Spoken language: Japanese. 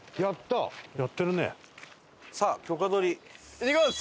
いってきます！